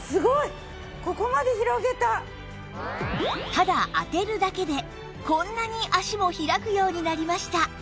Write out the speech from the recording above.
ただ当てるだけでこんなに脚も開くようになりました